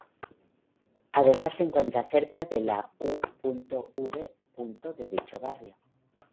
Además se encuentra cerca de la U. V. de dicho barrio.